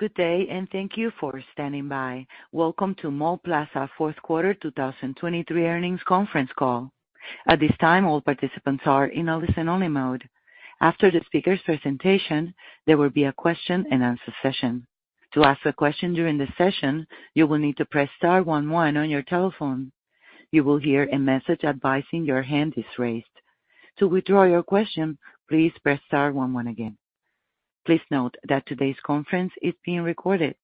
Good day, and thank you for standing by. Welcome to Mallplaza Fourth Quarter 2023 earnings conference call. At this time, all participants are in a listen-only mode. After the speaker's presentation, there will be a question-and-answer session. To ask a question during the session, you will need to press star 11 on your telephone. You will hear a message advising your hand is raised. To withdraw your question, please press star 11 again. Please note that today's conference is being recorded.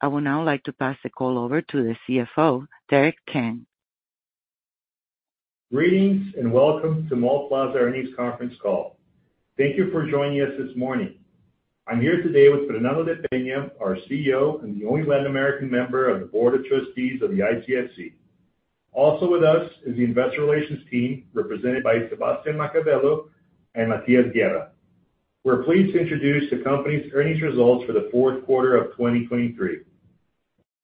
I would now like to pass the call over to the CFO, Derek Tang. Greetings and welcome to Mallplaza earnings conference call. Thank you for joining us this morning. I'm here today with Fernando de Peña, our CEO and the only Latin American member of the board of trustees of the ICSC. Also with us is the investor relations team, represented by Sebastián Macabello and Matías Guerra. We're pleased to introduce the company's earnings results for the fourth quarter of 2023.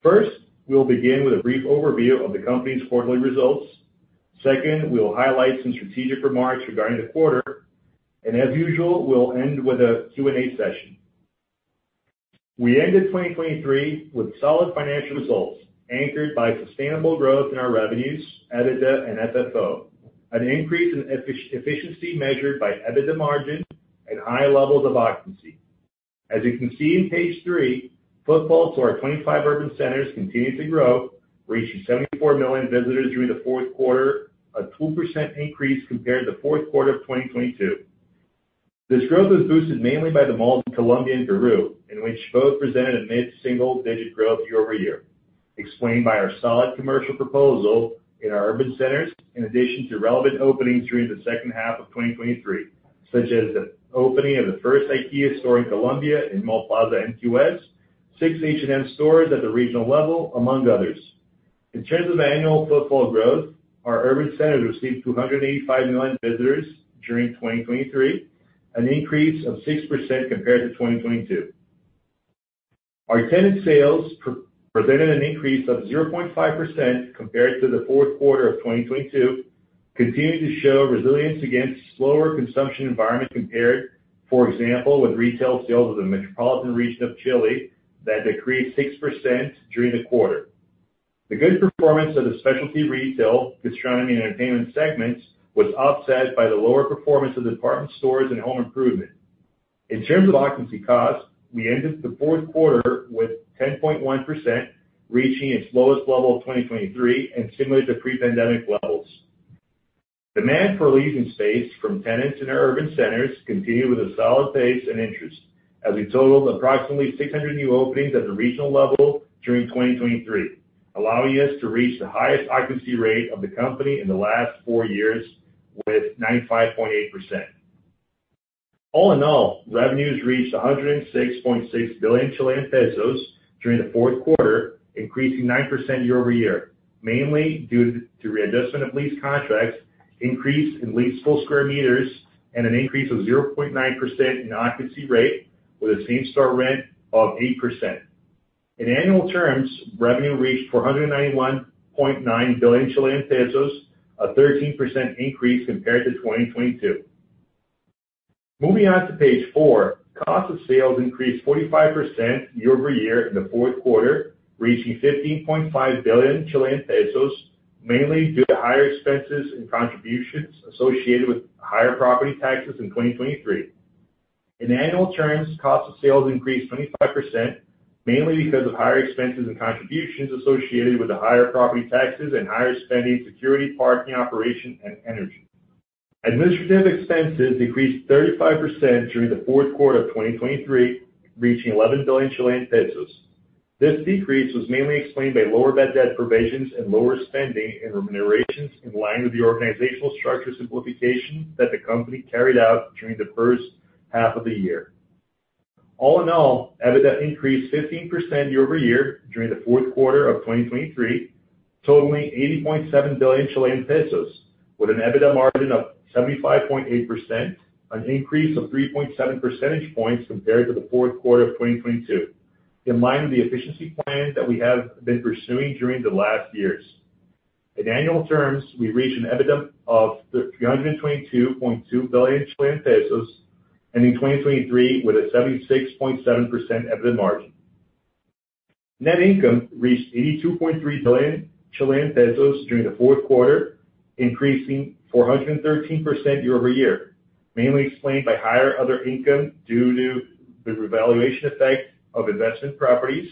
First, we'll begin with a brief overview of the company's quarterly results. Second, we'll highlight some strategic remarks regarding the quarter. As usual, we'll end with a Q&A session. We ended 2023 with solid financial results anchored by sustainable growth in our revenues, EBITDA and FFO, an increase in efficiency measured by EBITDA margin and high levels of occupancy. As you can see in page three, footfall to our 25 urban centers continued to grow, reaching 74 million visitors during the fourth quarter, a 2% increase compared to the fourth quarter of 2022. This growth was boosted mainly by the Mallplaza Colombia and Garou, in which both presented a mid-single-digit growth year over year, explained by our solid commercial proposal in our urban centers, in addition to relevant openings during the second half of 2023, such as the opening of the first IKEA store in Colombia and Mallplaza MQS, six H&M stores at the regional level, among others. In terms of annual footfall growth, our urban centers received 285 million visitors during 2023, an increase of 6% compared to 2022. Our tenant sales presented an increase of 0.5% compared to the fourth quarter of 2022, continuing to show resilience against a slower consumption environment compared, for example, with retail sales of the metropolitan region of Chile that decreased 6% during the quarter. The good performance of the specialty retail, gastronomy, and entertainment segments was offset by the lower performance of department stores and home improvement. In terms of occupancy costs, we ended the fourth quarter with 10.1%, reaching its lowest level of 2023 and stimulated the pre-pandemic levels. Demand for leasing space from tenants in our urban centers continued with a solid pace and interest, as we totaled approximately 600 new openings at the regional level during 2023, allowing us to reach the highest occupancy rate of the company in the last four years with 95.8%. All in all, revenues reached 106.6 billion Chilean pesos during the fourth quarter, increasing 9% year over year, mainly due to readjustment of lease contracts, increase in leased full square meters, and an increase of 0.9% in occupancy rate with a same-store rent of 8%. In annual terms, revenue reached 491.9 billion Chilean pesos, a 13% increase compared to 2022. Moving on to page four, cost of sales increased 45% year over year in the fourth quarter, reaching 15.5 billion Chilean pesos, mainly due to higher expenses and contributions associated with higher property taxes in 2023. In annual terms, cost of sales increased 25%, mainly because of higher expenses and contributions associated with the higher property taxes and higher spending on security, parking, operation, and energy. Administrative expenses decreased 35% during the fourth quarter of 2023, reaching 11 billion Chilean pesos. This decrease was mainly explained by lower bad debt provisions and lower spending and remunerations in line with the organizational structure simplification that the company carried out during the first half of the year. All in all, EBITDA increased 15% year-over-year during the fourth quarter of 2023, totaling 80.7 billion Chilean pesos, with an EBITDA margin of 75.8%, an increase of 3.7% points compared to the fourth quarter of 2022, in line with the efficiency plan that we have been pursuing during the last years. In annual terms, we reached an EBITDA of 322.2 billion, ending 2023 with a 76.7% EBITDA margin. Net income reached 82.3 billion Chilean pesos during the fourth quarter, increasing 413% year over year, mainly explained by higher other income due to the revaluation effect of investment properties,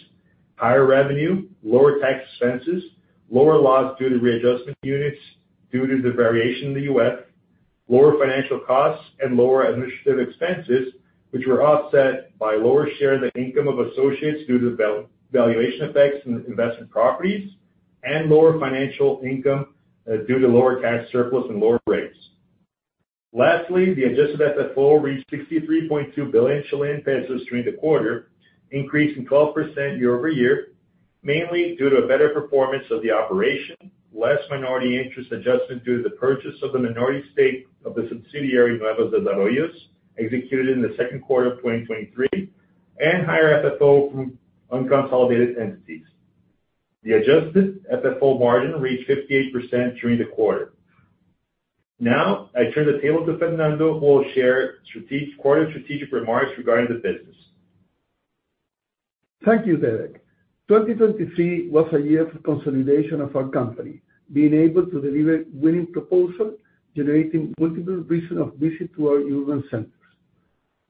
higher revenue, lower tax expenses, lower loss due to readjustment units due to the variation in the U.S., lower financial costs, and lower administrative expenses, which were offset by lower share of the income of associates due to the valuation effects and investment properties, and lower financial income due to lower cash surplus and lower rates. Lastly, the adjusted FFO reached 63.2 billion Chilean pesos during the quarter, increasing 12% year-over-year, mainly due to a better performance of the operation, less minority interest adjustment due to the purchase of the minority stake of the subsidiary Nuevos Des Arroyos executed in the second quarter of 2023, and higher FFO from unconsolidated entities. The adjusted FFO margin reached 58% during the quarter. Now, I turn the table to Fernando, who will share quarter strategic remarks regarding the business. Thank you, Derek. 2023 was a year for consolidation of our company, being able to deliver winning proposals, generating multiple reasons of visit to our urban centers.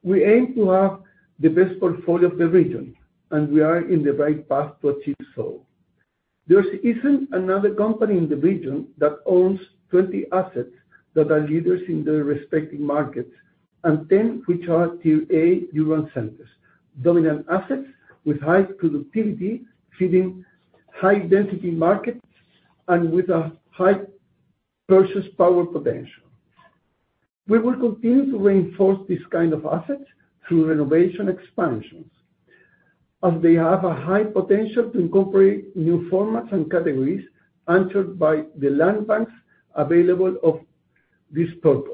We aim to have the best portfolio of the region, and we are in the right path to achieve so. There isn't another company in the region that owns 20 asset that are leaders in their respective markets, and 10 which are tier A urban centers, dominant assets with high productivity, feeding high-density markets, and with a high purchase power potential. We will continue to reinforce these kinds of assets through renovation expansions, as they have a high potential to incorporate new formats and categories answered by the land banks available of this purpose.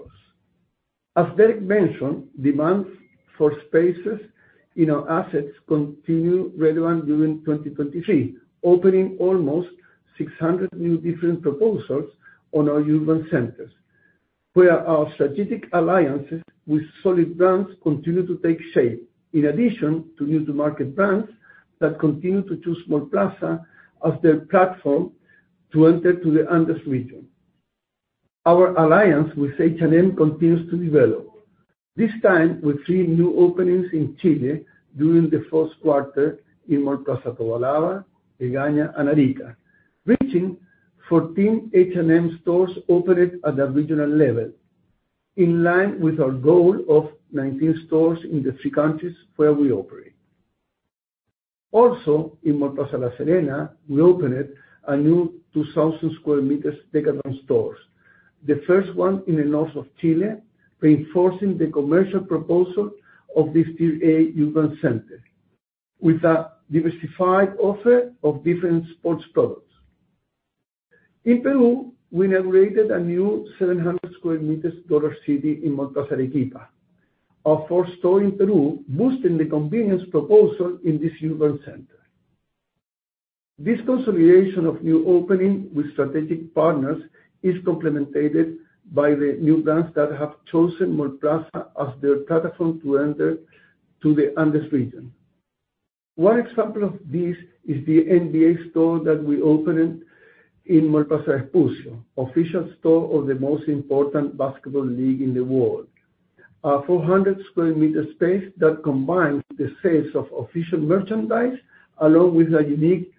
As Derek mentioned, demand for spaces in our assets continued relevant during 2023, opening almost 600 new different proposals on our urban centers, where our strategic alliances with solid brands continue to take shape, in addition to new-to-market brands that continue to choose Mallplaza as their platform to enter the Andes region. Our alliance with H&M continues to develop, this time with three new openings in Chile during the first quarter in Mallplaza Tobalaba, Begaña, and Arica, reaching 14 H&M stores operated at the regional level, in line with our goal of 19 stores in the three countries where we operate. Also, in Mallplaza La Serena, we opened a new 2,000 sq m Decathlon store, the first one in the north of Chile, reinforcing the commercial proposal of this tier A urban center with a diversified offer of different sports products. In Peru, we inaugurated a new 700 sq m Dollar City in Mallplaza Arequipa, a fourth store in Peru, boosting the convenience proposal in this urban center. This consolidation of new openings with strategic partners is complemented by the new brands that have chosen Mallplaza as their platform to enter the Andes region. One example of this is the NBA store that we opened in Mallplaza Espacio, official store of the most important basketball league in the world, a 400 sq m space that combines the sales of official merchandise along with a unique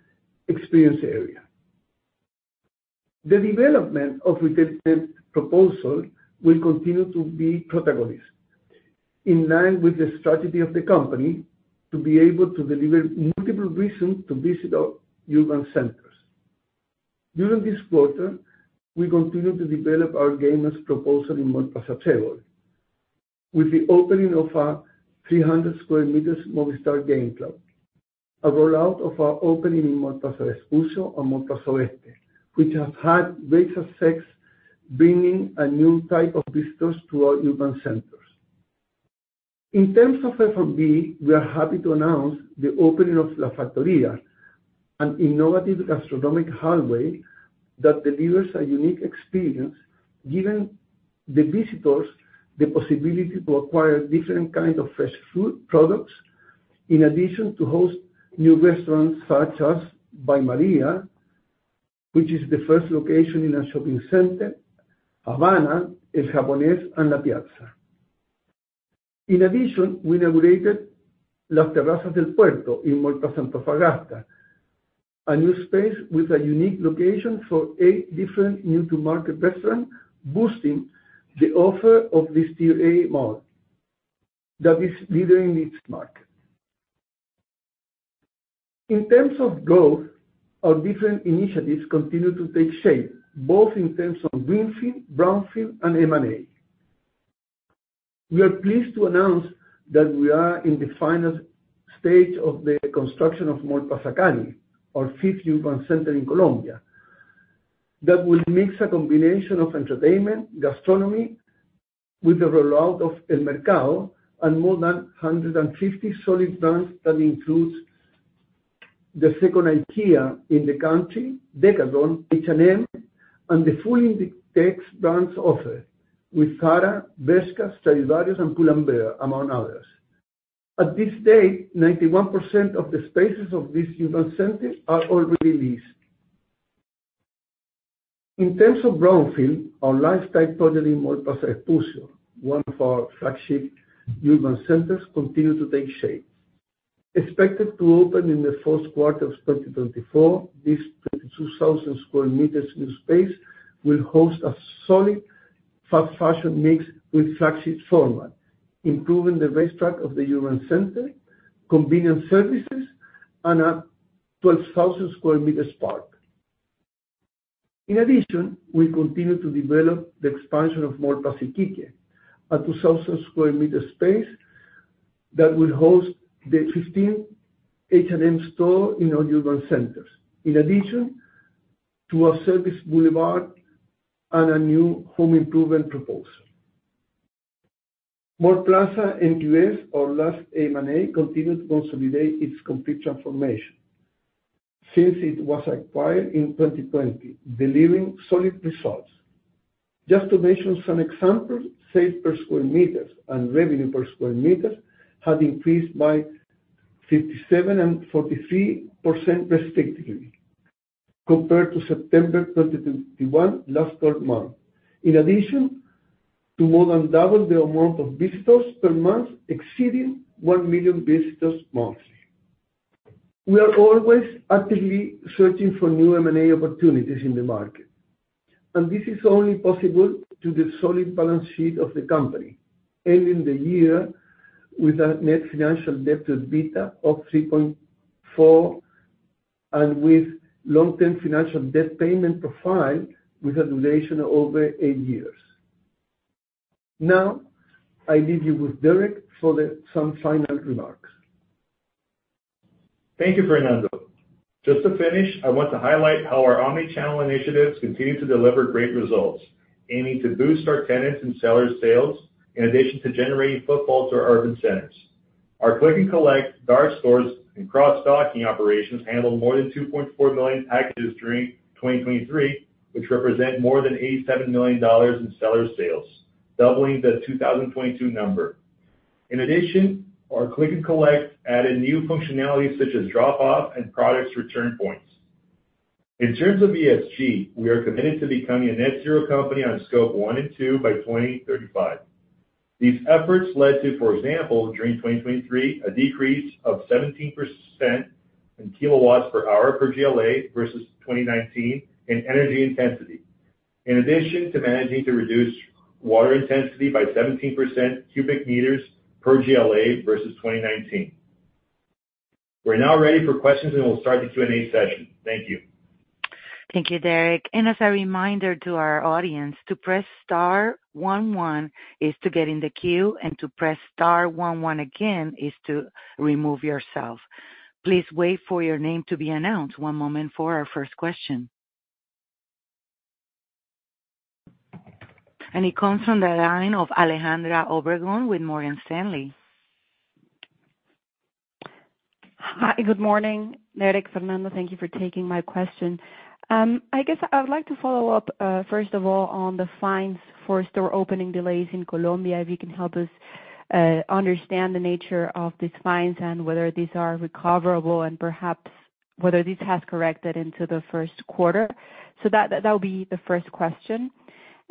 experience area. The development of retail proposals will continue to be protagonist, in line with the strategy of the company to be able to deliver multiple reasons to visit our urban centers. During this quarter, we continue to develop our game as proposal in Mallplaza Table, with the opening of a 300 sq m Movistar game club, a rollout of our opening in Mallplaza Espucio and Mallplaza Oeste, which have had great success bringing a new type of visitors to our urban centers. In terms of F&B, we are happy to announce the opening of La Factoria, an innovative gastronomic hallway that delivers a unique experience, giving the visitors the possibility to acquire different kinds of fresh food products, in addition to host new restaurants such as By Maria, which is the first location in a shopping center, Havana, El Japonés, and La Piazza. In addition, we inaugurated Las Terrazas del Puerto in Mallplaza Antofagasta, a new space with a unique location for eight different new-to-market restaurants, boosting the offer of this tier A mall that is leading its market. In terms of growth, our different initiatives continue to take shape, both in terms of greenfield, brownfield, and M&A. We are pleased to announce that we are in the final stage of the construction of Mallplaza Cali, our fifth urban center in Colombia, that will mix a combination of entertainment, gastronomy, with the rollout of El Mercado and more than 150 solid brands that include the second IKEA in the country, Decathlon, H&M, and the fully indexed brands offered with Zara, Bershka, Stradivarius, and Pull & Bear, among others. At this date, 91% of the spaces of this urban center are already leased. In terms of brownfield, our lifestyle project in Mallplaza Espucio, one of our flagship urban centers, continues to take shape. Expected to open in the first quarter of 2024, this 22,000 sq m new space will host a solid fast fashion mix with flagship format, improving the race track of the urban center, convenience services, and a 12,000 sq m park. In addition, we continue to develop the expansion of Mallplaza Iquique, a 2,000 sq m space that will host the 15 H&M stores in all urban centers, in addition to a service boulevard and a new home improvement proposal. Mallplaza MQS, our last M&A, continued to consolidate its complete transformation since it was acquired in 2020, delivering solid results. Just to mention some examples, sales per square meter and revenue per square meter had increased by 57% and 43% respectively compared to September 2021, last third month, in addition to more than double the amount of visitors per month, exceeding 1 million visitors monthly. We are always actively searching for new M&A opportunities in the market, and this is only possible through the solid balance sheet of the company, ending the year with a net financial debt to EBITDA of 3.4 and with long-term financial debt payment profile with a duration of over eight years. Now, I leave you with Derek for some final remarks. Thank you, Fernando. Just to finish, I want to highlight how our omnichannel initiatives continue to deliver great results, aiming to boost our tenants and sellers' sales in addition to generating footfall to our urban centers. Our Click and Collect, Dart stores, and cross-stocking operations handled more than 2.4 million packages during 2023, which represent more than $87 million in seller sales, doubling the 2022 number. In addition, our Click and Collect added new functionalities such as drop-off and products return points. In terms of ESG, we are committed to becoming a net zero company on scope one and two by 2035. These efforts led to, for example, during 2023, a decrease of 17% in kilowatts per hour per GLA versus 2019 in energy intensity, in addition to managing to reduce water intensity by 17% cubic meters per GLA versus 2019. We're now ready for questions, and we'll start the Q&A session. Thank you. Thank you, Derek. As a reminder to our audience, to press star 11 is to get in the queue, and to press star 11 again is to remove yourself. Please wait for your name to be announced. One moment for our first question. It comes from the line of Alejandra Obregón with Morgan Stanley. Hi, good morning. Derek, Fernando, thank you for taking my question. I guess I would like to follow up, first of all, on the fines for store opening delays in Colombia, if you can help us understand the nature of these fines and whether these are recoverable and perhaps whether this has corrected into the first quarter. That would be the first question.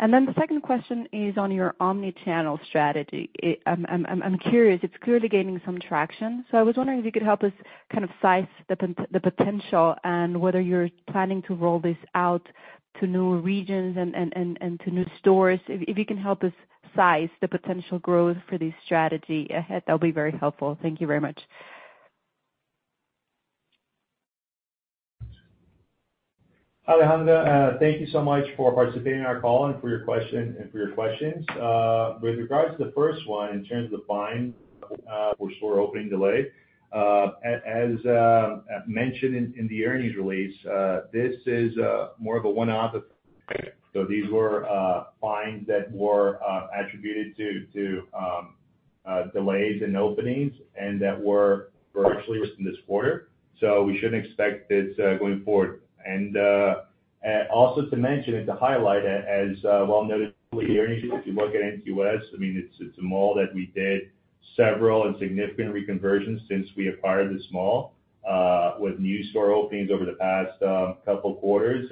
The second question is on your omnichannel strategy. I'm curious. It's clearly gaining some traction. I was wondering if you could help us kind of size the potential and whether you're planning to roll this out to new regions and to new stores. If you can help us size the potential growth for this strategy, that would be very helpful. Thank you very much. Alejandra, thank you so much for participating in our call and for your question and for your questions. With regards to the first one, in terms of the fine for store opening delay, as mentioned in the earnings release, this is more of a one-off. These were fines that were attributed to delays in openings and that were virtually within this quarter. We should not expect this going forward. Also to mention and to highlight, as well noted in the earnings, if you look at NQS, I mean, it is a mall that we did several and significant reconversions since we acquired this mall with new store openings over the past couple of quarters.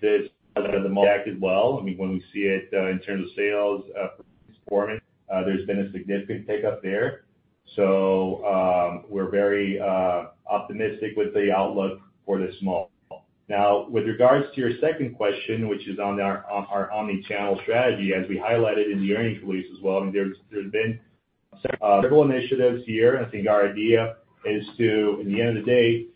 This project has acted well. I mean, when we see it in terms of sales performance, there has been a significant pickup there. We are very optimistic with the outlook for this mall. Now, with regards to your second question, which is on our omnichannel strategy, as we highlighted in the earnings release as well, I mean, there have been several initiatives here. I think our idea is to, at the end of the day,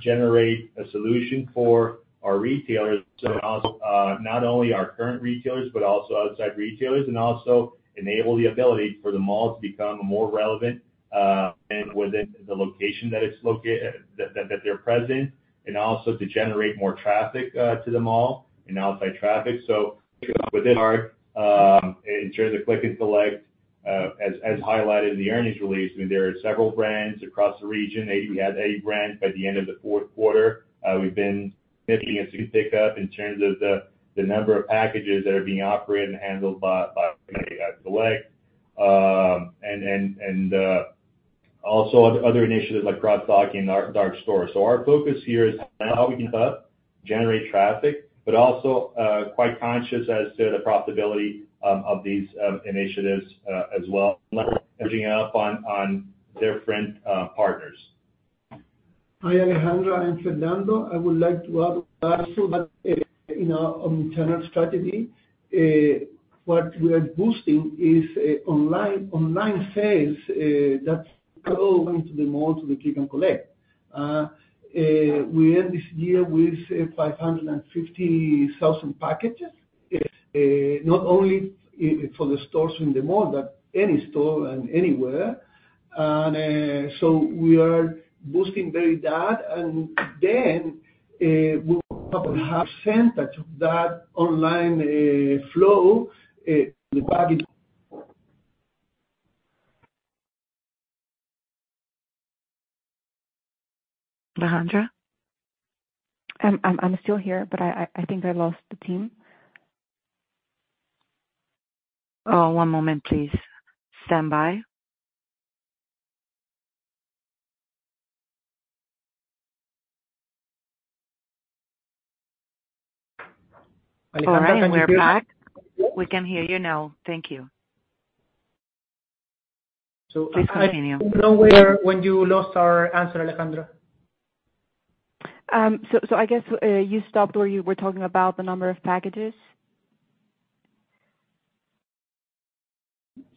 generate a solution for our retailers, not only our current retailers, but also outside retailers, and also enable the ability for the mall to become more relevant within the location that they're present and also to generate more traffic to the mall and outside traffic. Within our, in terms of Click and Collect, as highlighted in the earnings release, I mean, there are several brands across the region. We had a brand by the end of the fourth quarter. We've been making a significant pickup in terms of the number of packages that are being operated and handled by Click and Collect. Also, other initiatives like cross-stocking and Dart stores. Our focus here is how we can help generate traffic, but also quite conscious as to the profitability of these initiatives as well, leveraging up on different partners. Hi, Alejandra. I'm Fernando. I would like to add that in our omnichannel strategy, what we are boosting is online sales that are going to the mall, to the Click and Collect. We end this year with 550,000 packages, not only for the stores in the mall, but any store and anywhere. We are boosting very that. We will have a percentage of that online flow. Alejandra? I'm still here, but I think I lost the team. Oh, one moment, please. Stand by. Alejandra, you're back. We can hear you now. Thank you. Continuing. When you lost our answer, Alejandra? I guess you stopped where you were talking about the number of packages?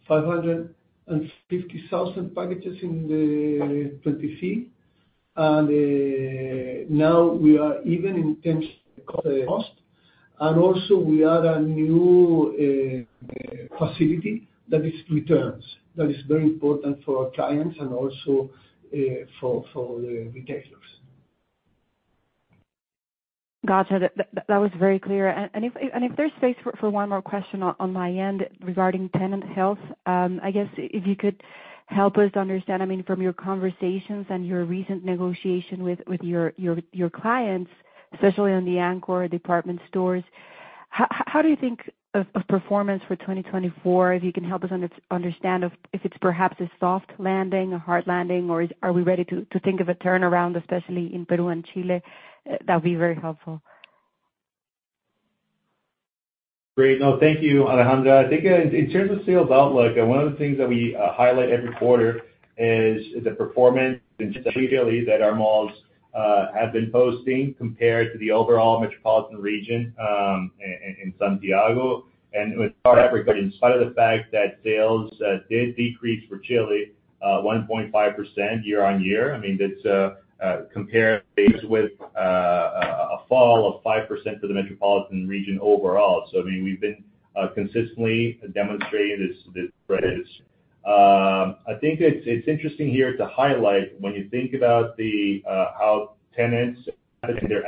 550,000 packages in the 20C. We are even in terms of cost. We also add a new facility that is returns. That is very important for our clients and also for the retailers. Gotcha. That was very clear. If there's space for one more question on my end regarding tenant health, I guess if you could help us understand, I mean, from your conversations and your recent negotiation with your clients, especially on the anchor department stores, how do you think of performance for 2024? If you can help us understand if it's perhaps a soft landing, a hard landing, or are we ready to think of a turnaround, especially in Peru and Chile? That would be very helpful. Great. No, thank you, Alejandra. I think in terms of sales outlook, one of the things that we highlight every quarter is the performance in Chile that our malls have been posting compared to the overall metropolitan region in Santiago. With our efforts, in spite of the fact that sales did decrease for Chile 1.5% year on year, I mean, that's compared with a fall of 5% for the metropolitan region overall. I mean, we've been consistently demonstrating this spread. I think it's interesting here to highlight when you think about how tenants and their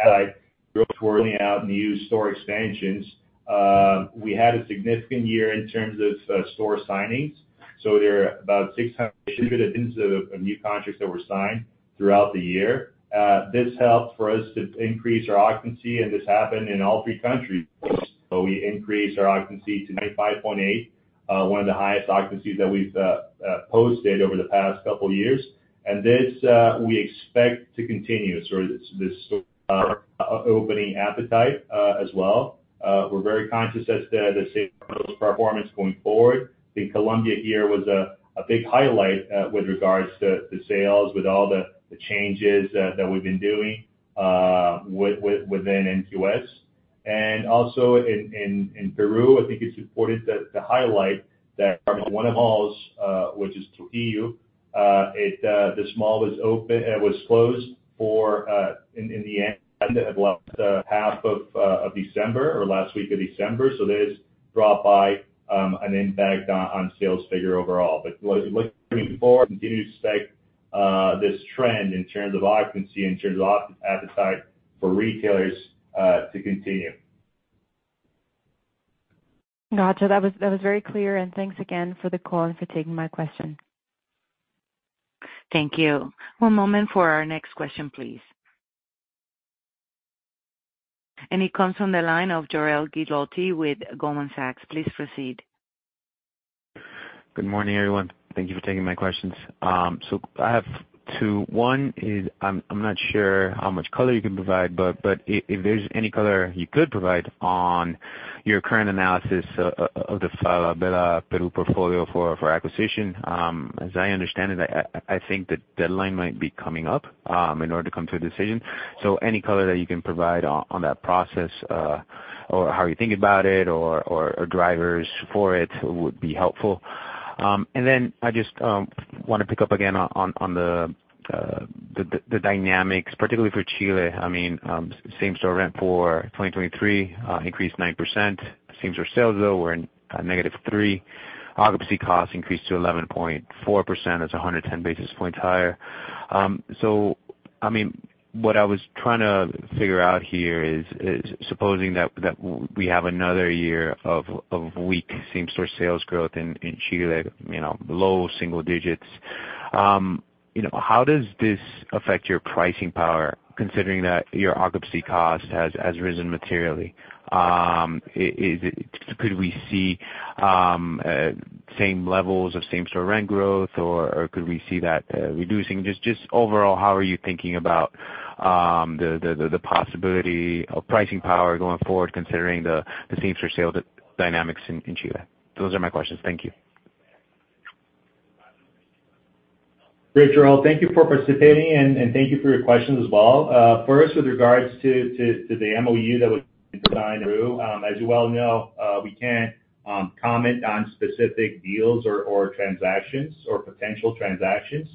growth were only out new store expansions, we had a significant year in terms of store signings. There are about 600 additions of new contracts that were signed throughout the year. This helped for us to increase our occupancy, and this happened in all three countries. We increased our occupancy to 95.8%, one of the highest occupancies that we have posted over the past couple of years. This we expect to continue. This opening appetite as well. We are very conscious that the sales performance going forward, I think Colombia here was a big highlight with regards to sales, with all the changes that we have been doing within NQS. Also in Peru, I think it is important to highlight that one of the malls, which is Trujillo, this mall was closed at the end of half of December or last week of December. There is a drop by an impact on sales figure overall. Looking forward, we continue to expect this trend in terms of occupancy, in terms of appetite for retailers to continue. Gotcha. That was very clear. Thanks again for the call and for taking my question. Thank you. One moment for our next question, please. It comes from the line of Jorel Guilloty with Goldman Sachs. Please proceed. Good morning, everyone. Thank you for taking my questions. I have two. One is I'm not sure how much color you can provide, but if there's any color you could provide on your current analysis of the Falabella Peru portfolio for acquisition, as I understand it, I think the deadline might be coming up in order to come to a decision. Any color that you can provide on that process or how you think about it or drivers for it would be helpful. I just want to pick up again on the dynamics, particularly for Chile. I mean, same store rent for 2023 increased 9%. Same store sales, though, were negative 3%. Occupancy costs increased to 11.4%. That's 110 basis points higher. I mean, what I was trying to figure out here is supposing that we have another year of weak same-store sales growth in Chile, low single digits. How does this affect your pricing power, considering that your occupancy cost has risen materially? Could we see same levels of same-store rent growth, or could we see that reducing? Just overall, how are you thinking about the possibility of pricing power going forward, considering the same-store sales dynamics in Chile? Those are my questions. Thank you. Great, Jorel. Thank you for participating, and thank you for your questions as well. First, with regards to the MOU that was signed in Peru, as you well know, we can't comment on specific deals or transactions or potential transactions.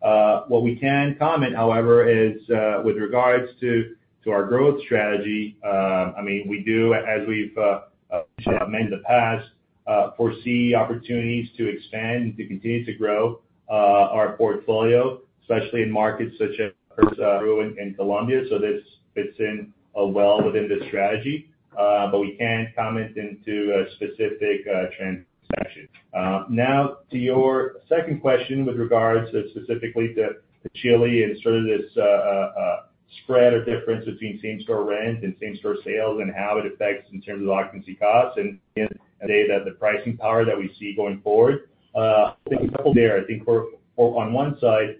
What we can comment, however, is with regards to our growth strategy. I mean, we do, as we've mentioned in the past, foresee opportunities to expand and to continue to grow our portfolio, especially in markets such as Peru and Colombia. This fits in well within this strategy, but we can't comment into a specific transaction. Now, to your second question with regards to specifically that Chile and sort of this spread or difference between same-store rent and same-store sales and how it affects in terms of occupancy costs and say that the pricing power that we see going forward, I think a couple there. I think on one side,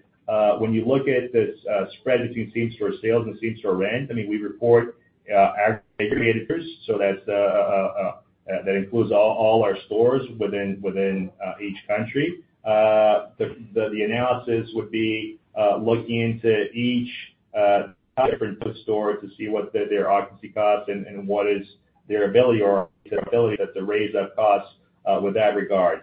when you look at this spread between same-store sales and same-store rent, I mean, we report aggregated figures. That includes all our stores within each country. The analysis would be looking into each different store to see what their occupancy costs and what is their ability or their ability to raise-up costs with that regard.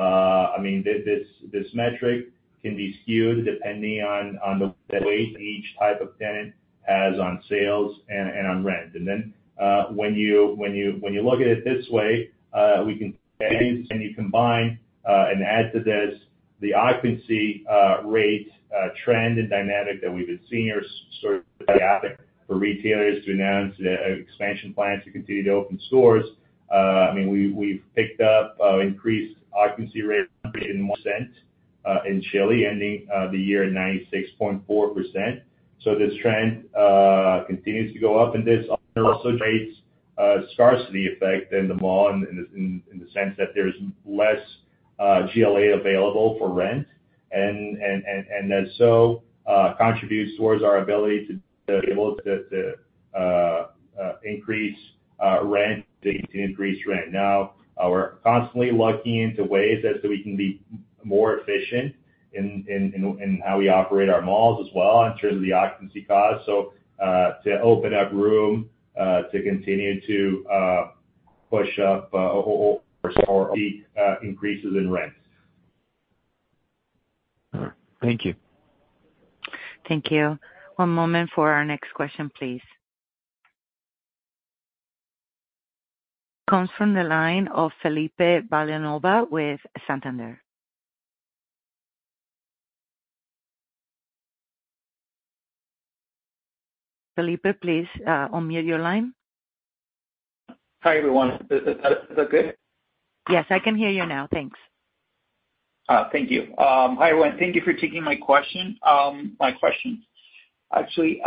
I mean, this metric can be skewed depending on the weight each type of tenant has on sales and on rent. When you look at it this way, we can say you combine and add to this the occupancy rate trend and dynamic that we've been seeing or sort of for retailers to announce expansion plans to continue to open stores. I mean, we've picked up increased occupancy rate in 1% in Chile, ending the year at 96.4%. This trend continues to go up. This also creates a scarcity effect in the mall in the sense that there's less GLA available for rent. That contributes towards our ability to be able to increase rent. Now, we're constantly looking into ways we can be more efficient in how we operate our malls as well in terms of the occupancy costs to open up room to continue to push up or see increases in rent. Thank you. Thank you. One moment for our next question, please. Comes from the line of Felipe Valenova with Santander. Felipe, please unmute your line. Hi, everyone. Is that good? Yes, I can hear you now. Thanks. Thank you. Hi, everyone. Thank you for taking my question. Actually,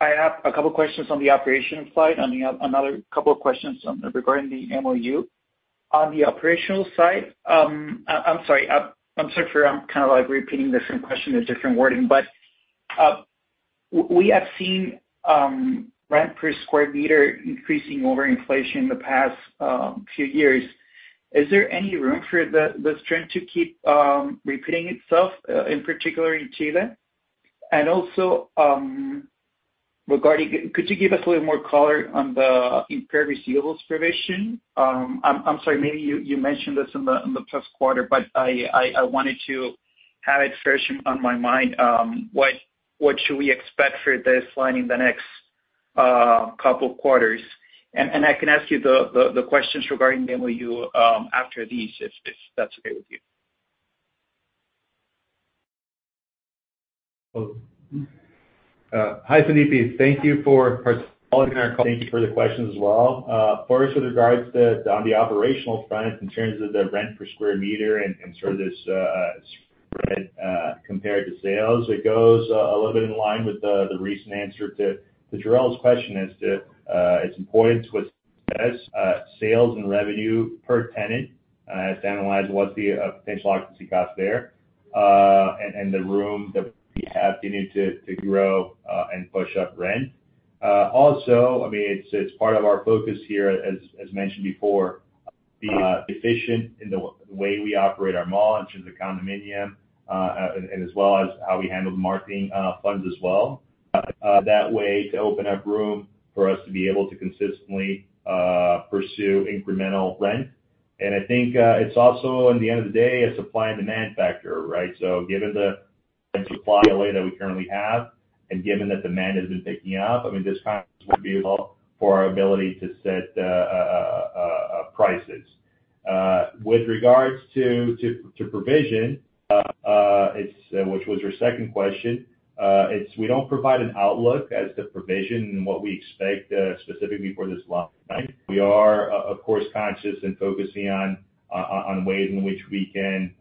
I have a couple of questions on the operation side, and I have another couple of questions regarding the MOU. On the operational side, I'm sorry for kind of repeating the same question in a different wording, but we have seen rent per square meter increasing over inflation in the past few years. Is there any room for this trend to keep repeating itself, in particular in Chile? Also, could you give us a little more color on the impaired receivables provision? I'm sorry, maybe you mentioned this in the past quarter, but I wanted to have it fresh on my mind. What should we expect for this line in the next couple of quarters? I can ask you the questions regarding the MOU after these, if that's okay with you. Hi, Felipe. Thank you for calling in our call. Thank you for the questions as well. First, with regards to on the operational front, in terms of the rent per square meter and sort of this spread compared to sales, it goes a little bit in line with the recent answer to Jorel's question as to its importance with sales and revenue per tenant as to analyze what's the potential occupancy cost there and the room that we have to continue to grow and push up rent. Also, I mean, it's part of our focus here, as mentioned before, being efficient in the way we operate our mall in terms of condominium and as well as how we handle the marketing funds as well. That way to open up room for us to be able to consistently pursue incremental rent. I think it's also, at the end of the day, a supply and demand factor, right? Given the supply that we currently have and given that demand has been picking up, I mean, this kind of would be helpful for our ability to set prices. With regards to provision, which was your second question, we don't provide an outlook as to provision and what we expect specifically for this line. We are, of course, conscious and focusing on ways in which we can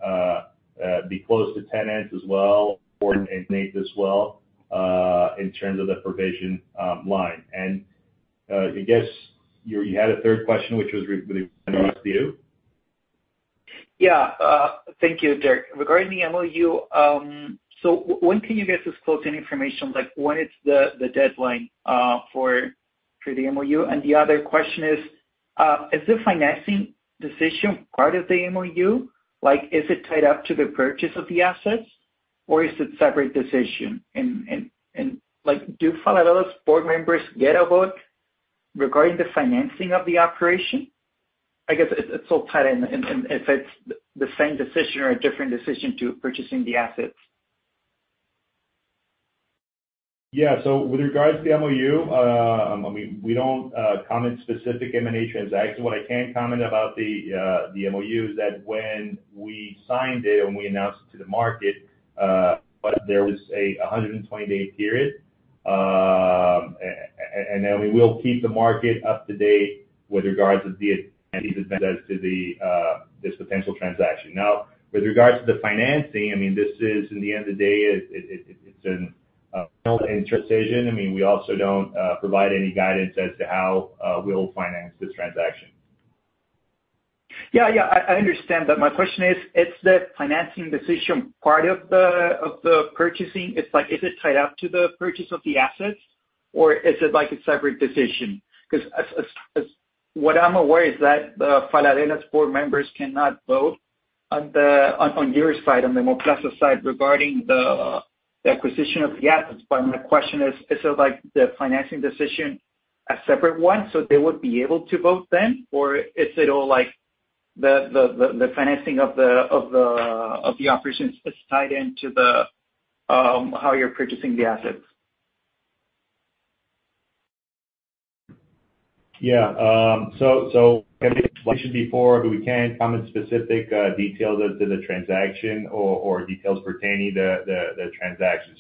be close to tenants as well or eliminate this well in terms of the provision line. I guess you had a third question, which was related to you. Yeah. Thank you, Derek. Regarding the MOU, when can you get this closing information? When is the deadline for the MOU? The other question is, is the financing decision part of the MOU? Is it tied up to the purchase of the assets, or is it a separate decision? Do Falabella's board members get a vote regarding the financing of the operation? I guess it's all tied in if it's the same decision or a different decision to purchasing the assets. Yeah. With regards to the MOU, I mean, we do not comment on specific M&A transactions. What I can comment about the MOU is that when we signed it and we announced it to the market, there was a 120-day period. I mean, we will keep the market up to date with regards to these advances as to this potential transaction. Now, with regards to the financing, I mean, this is, at the end of the day, an internal decision. I mean, we also do not provide any guidance as to how we will finance this transaction. Yeah, yeah. I understand, but my question is, is the financing decision part of the purchasing? Is it tied up to the purchase of the assets, or is it a separate decision? Because what I'm aware is that the Falabella's board members cannot vote on your side, on the MOU+ side, regarding the acquisition of the assets. My question is, is it like the financing decision a separate one so they would be able to vote then, or is it all like the financing of the operations is tied into how you're purchasing the assets? Yeah. Like I mentioned before, we can't comment specific details as to the transaction or details pertaining to the transaction.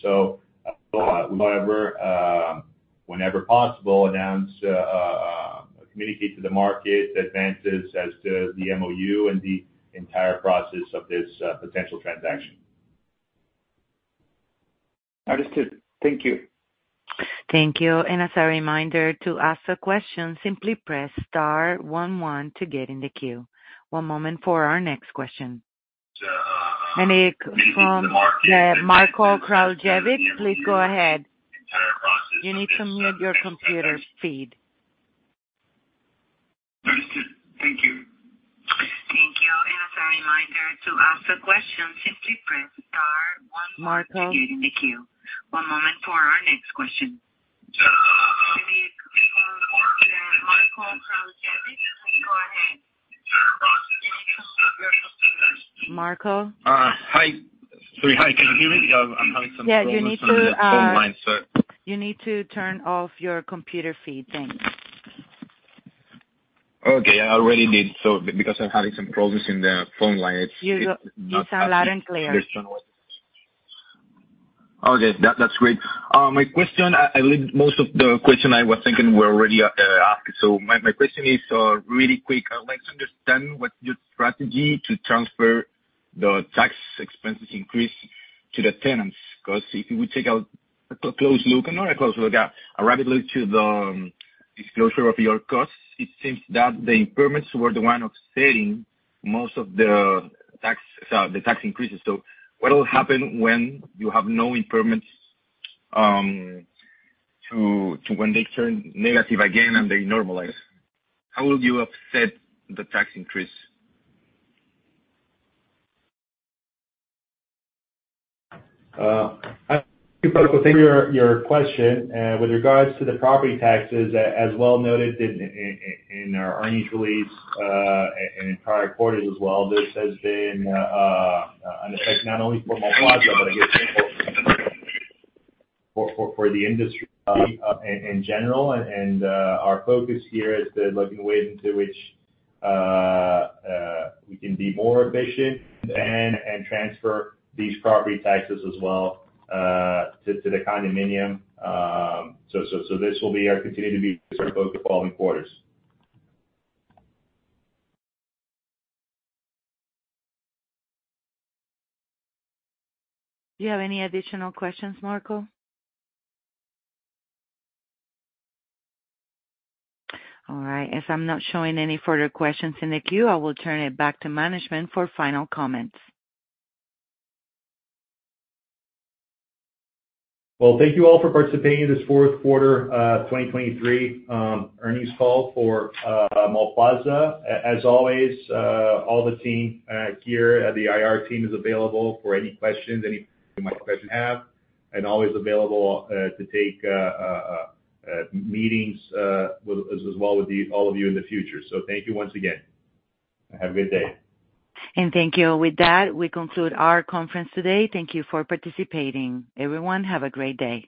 Whenever possible, announce or communicate to the market advances as to the MOU and the entire process of this potential transaction. Understood. Thank you. Thank you. As a reminder, to ask a question, simply press star 11 to get in the queue. One moment for our next question. It is from Marko Kraljevic. Please go ahead. You need to mute your computer feed. Understood. Thank you. Thank you. As a reminder, to ask a question, simply press star 11 to get in the queue. One moment for our next question. It is from Marko Kraljevic. Please go ahead. You need to mute your computer feed. Marko? Hi. Sorry. Hi. Can you hear me? I'm having some problems with my phone line, so. You need to turn off your computer feed. Thanks. Okay. I already did. Because I'm having some problems in the phone line, it's not working. You sound loud and clear. Okay. That's great. My question, I believe most of the questions I was thinking were already asked. My question is really quick. I'd like to understand what's your strategy to transfer the tax expenses increase to the tenants? Because if you would take a close look, not a close look, a rapid look to the disclosure of your costs, it seems that the impairments were the one offsetting most of the tax increases. What will happen when you have no impairments to when they turn negative again and they normalize? How will you offset the tax increase? I'll keep up with your question. With regards to the property taxes, as well noted in our earnings release in prior quarters as well, this has been an effect not only for Mallplaza, but I guess for the industry in general. Our focus here has been looking ways into which we can be more efficient and transfer these property taxes as well to the condominium. This will continue to be our focus following quarters. Do you have any additional questions, Marko? All right. If I'm not showing any further questions in the queue, I will turn it back to management for final comments. Thank you all for participating in this fourth quarter 2023 earnings call for Mallplaza. As always, all the team here at the IR team is available for any questions you have, and always available to take meetings as well with all of you in the future. Thank you once again. Have a good day. Thank you. With that, we conclude our conference today. Thank you for participating. Everyone, have a great day.